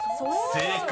［正解。